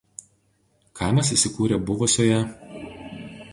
Kaimas įsikūrė buv.